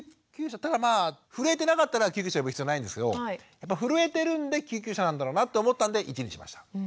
ただまあ震えてなかったら救急車呼ぶ必要ないんですけど震えてるんで救急車なんだろうなと思ったんで１にしました。